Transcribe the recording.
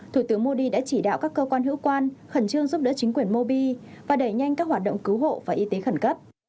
thủ tướng modi đã chỉ đạo các cơ quan hữu quan khẩn trương giúp đỡ chính quyền mobi và đẩy nhanh các hoạt động cứu hộ và y tế khẩn cấp